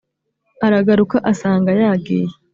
Aragaruka asanga yagiye